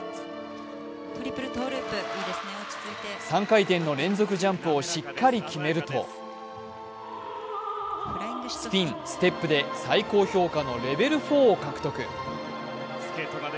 ３回転の連続ジャンプをしっかり決めるとスピン、ステップで最高評価のレベル４を獲得。